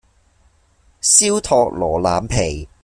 燒托羅腩皮